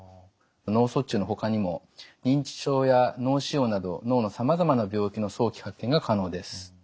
脳卒中のほかにも認知症や脳腫瘍など脳のさまざまな病気の早期発見が可能です。